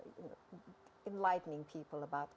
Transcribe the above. jika kita menjaga kehidupan yang menarik